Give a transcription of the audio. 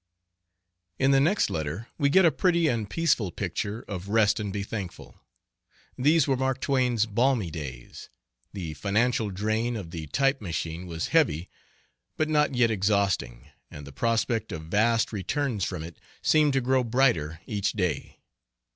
C. In the next letter we get a pretty and peaceful picture of "Rest and be Thankful." These were Mark Twain's balmy days. The financial drain of the type machine was heavy but not yet exhausting, and the prospect of vast returns from it seemed to grow brighter each day.